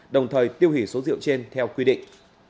đồng thời tiêu hủy số rượu trên theo quy định